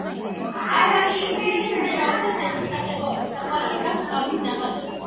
გაბაშვილი მუშაობდა ზეთის საღებავებით, აკვარელით, აქვს კალმით ნახატებიც.